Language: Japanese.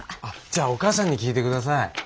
じゃあお母さんに聞いて下さい。